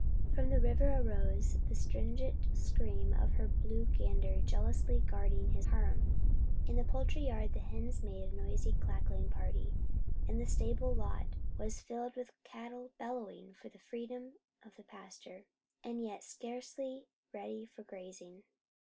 From the river arose the strident scream of her blue gander jealously guarding his harem. In the poultry yard the hens made a noisy cackling party, and the stable lot was filled with cattle bellowing for the freedom of the meadow pasture, as yet scarcely ready for grazing.